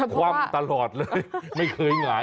คว่ำตลอดเลยไม่เคยหงาย